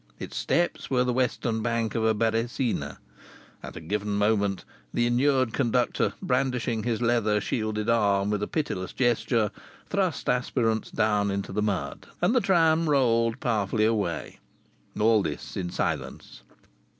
Its steps were the western bank of a Beresina. At a given moment the inured conductor, brandishing his leather shielded arm with a pitiless gesture, thrust aspirants down into the mud and the tram rolled powerfully away. All this in silence.